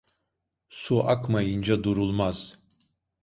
Su akmayınca durulmaz.